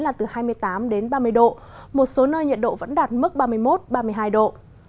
là từ hai mươi tám đến ba mươi độ một số nơi nhiệt độ vẫn đạt mức ba mươi một ba mươi hai độ